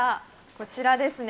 こちらですね。